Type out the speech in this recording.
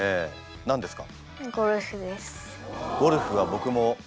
何ですか？